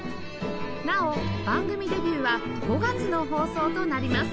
なお番組デビューは５月の放送となります